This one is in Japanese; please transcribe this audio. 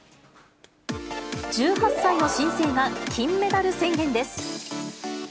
１８歳の新星が金メダル宣言です。